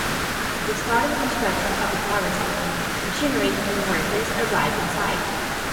The start of construction of the power station: machinery and workers arrived on site.